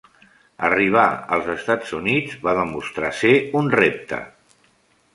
Arribar als Estats Units va demostrar ser un repte.